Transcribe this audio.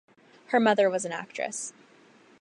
Her mother was an actress.